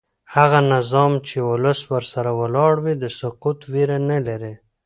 هغه نظام چې ولس ورسره ولاړ وي د سقوط ویره نه لري